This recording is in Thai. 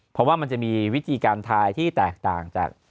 เพราะว่ามันจะมีวิธีการทายที่แตกต่างจาก